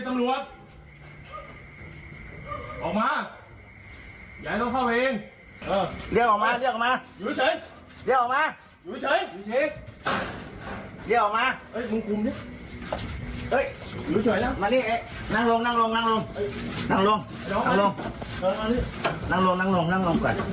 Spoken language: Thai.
นั่งลง